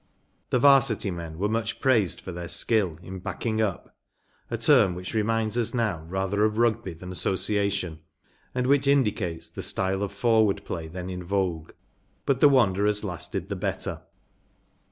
The ’Varsity men were much praised for their skill in “backing up,‚ÄĚ a term which reminds us now rather of Rugby than Association, and which indicates the style of forward play then in vogue. But the Wanderers lasted the better.